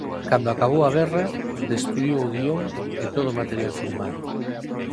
Cando acabou a guerra destruíu o guión e todo o material filmado.